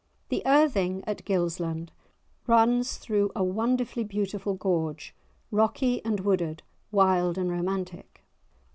The Irthing at Gilsland runs through a wonderfully beautiful gorge, rocky and wooded, wild and romantic.